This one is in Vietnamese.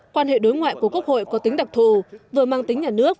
quan hệ đối ngoại của quốc hội có tính đặc thù vừa mang tính nhà nước